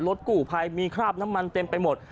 รถกู้ภัยมีคราบน้ำมันเต็มไปหมด